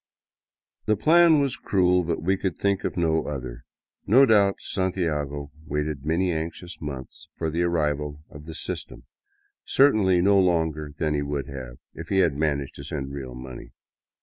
The plan was cruel, but we could think of no other. No doubt Santiago waited many anxious months for the arrival of the *' sys tem "; certainly no longer than he would have if he had managed to send real money.